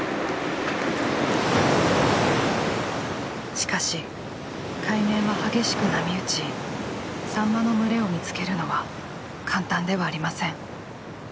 しかし海面は激しく波打ちサンマの群れを見つけるのは簡単ではありません。